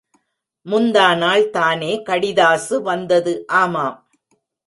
முந்தாநாள் தானே கடிதாசு வந்தது! ஆமாம்!